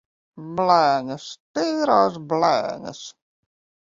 Blēņas! Tīrās blēņas!